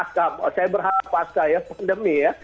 saya berharap pasca ya pandemi ya